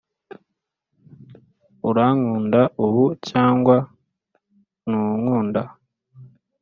urankunda ubu cyangwa ntunkunda?